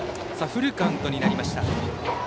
フルカウントになりました。